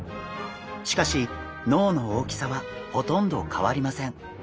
しかし脳の大きさはほとんど変わりません。